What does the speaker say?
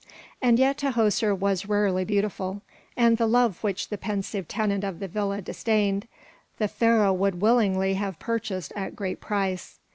And yet Tahoser was rarely beautiful, and the love which the pensive tenant of the villa disdained, the Pharaoh would willingly have purchased at a great price.